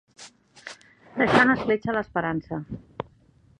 Deixar una escletxa a l'esperança.